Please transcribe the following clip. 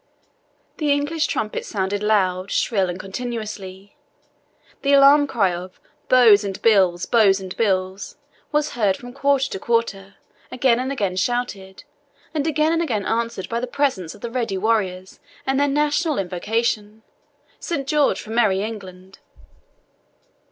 The English trumpets sounded loud, shrill, and continuously. The alarm cry of "Bows and bills, bows and bills!" was heard from quarter to quarter, again and again shouted, and again and again answered by the presence of the ready warriors, and their national invocation, "Saint George for merry England!"